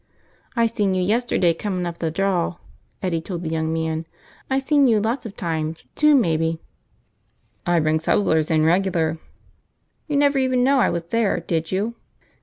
"I seen you yesterday comin' up the draw," Eddie told the young man. "I seen you lots of times, two maybe." "I bring settlers in regular." "You never even knew I was there, did you?"